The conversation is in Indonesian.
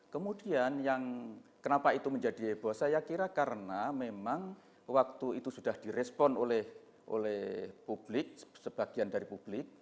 kemudian yang kenapa itu menjadi heboh saya kira karena memang waktu itu sudah direspon oleh publik sebagian dari publik